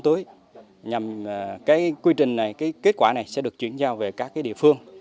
tối nhằm cái quy trình này cái kết quả này sẽ được chuyển giao về các địa phương